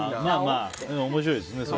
面白いですね。